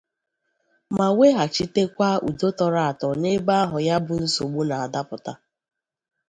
ma weghàchitekwa udo tọrọ àtọ n'ebe ahụ ya bụ nsogbu na-adapụta